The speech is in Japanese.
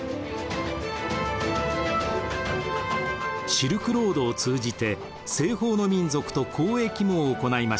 シルクロードを通じて西方の民族と交易も行いました。